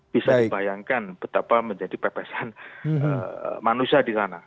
bisa dibayangkan betapa menjadi pepesan manusia di sana